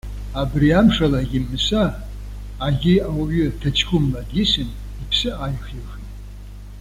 Абри амшалагьы Мыса, агьи ауаҩы ҭаҷкәымла дисын, иԥсы ааихихит.